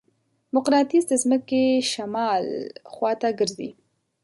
مقناطیس د ځمکې شمال خواته ګرځي.